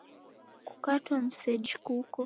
Kukato ni seji kuko